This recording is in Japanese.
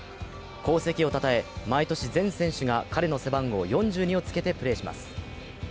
功績をたたえ、毎年、全選手が彼の背番号４２をつけてプレーします。